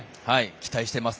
期待しています。